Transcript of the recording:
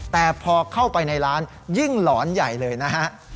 แต่พอเข้าไปในร้านยิ่งหลอนใหญ่เลยนะฮะ